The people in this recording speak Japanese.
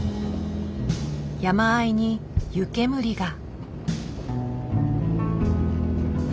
山あいに湯煙が。